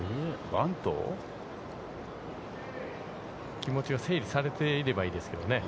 気持ちが整理されていればいいですけどね。